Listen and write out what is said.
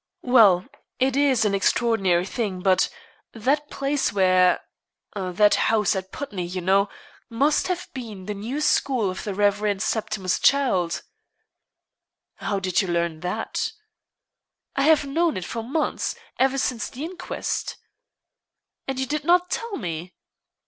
"Well, it is an extraordinary thing, but that place where that house at Putney, you know, must have been the new school of the Rev. Septimus Childe." "How did you learn that?" "I have known it for months, ever since the inquest." "And you did not tell me?"